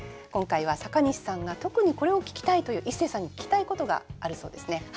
今回は阪西さんが特にこれを聞きたいというイッセーさんに聞きたいことがあるそうですね。